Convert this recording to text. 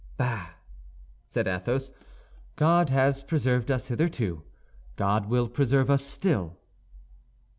"Bah!" said Athos. "God has preserved us hitherto, God will preserve us still."